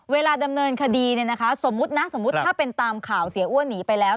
เวลาดำเนินคดีสมมุตินะสมมุติถ้าเป็นตามข่าวเสียอ้วนหนีไปแล้ว